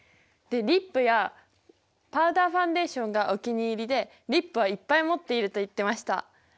でリップやパウダーファンデーションがお気に入りでリップはいっぱい持っていると言ってました。